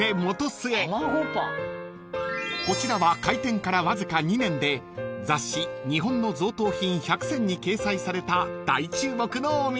［こちらは開店からわずか２年で雑誌『日本の贈答品１００選』に掲載された大注目のお店］